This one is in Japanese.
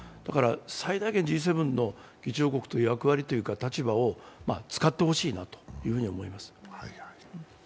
最大限、Ｇ７の議長国という役割というか立場を使ってほしいと思います。